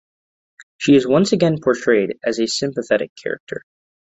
She is once again portrayed as a sympathetic character.